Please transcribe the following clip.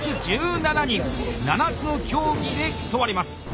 ７つの競技で競われます！